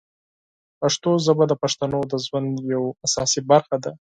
پښتو ژبه د پښتنو د ژوند یوه اساسي برخه ده.